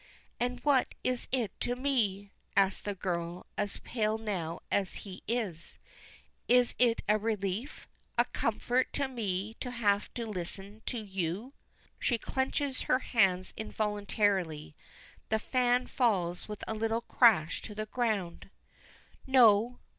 "And what is it to me?" asks the girl, as pale now as he is. "Is it a relief a comfort to me to have to listen to you?" She clenches her hands involuntarily. The fan falls with a little crash to the ground. "No."